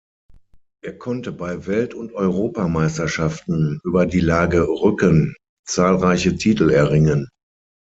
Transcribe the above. Er konnte bei Welt- und Europameisterschaften über die Lage Rücken zahlreiche Titel erringen.